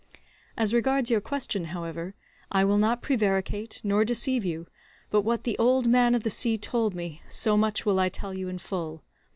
As regards your question, however, I will not prevaricate nor deceive you, but what the old man of the sea told me, so much will I tell you in full.